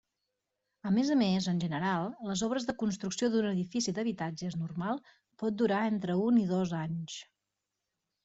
A més a més, en general, les obres de construcció d'un edifici d'habitatges normal pot durar entre un i dos anys.